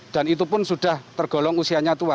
dan itu pun sudah tergolong usianya tua